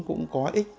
cũng có ích